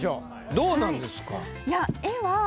どうなんですか？